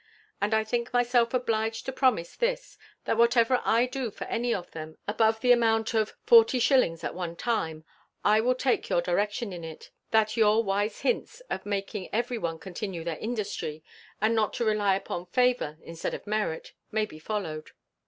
And I think myself obliged to promise this, that whatever I do for any of them above the amount of forty shillings at one time, I will take your direction in it, that your wise hints, of making every one continue their industry, and not to rely upon favour instead of merit, may be followed.